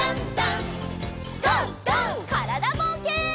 からだぼうけん。